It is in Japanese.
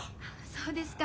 そうですか。